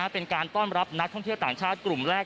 เป็นการต้อนรับนักท่องเที่ยวต่างชาติกลุ่มแรก